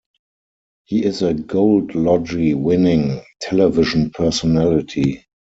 He is a Gold Logie winning television personality.